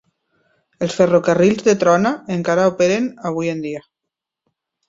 Els ferrocarrils de Trona encara operen avui en dia.